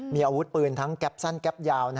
มีอาวุธปืนทั้งแก๊ปสั้นแก๊ปยาว